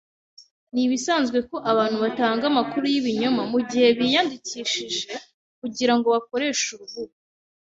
Ntibisanzwe ko abantu batanga amakuru yibinyoma mugihe biyandikishije kugirango bakoreshe urubuga.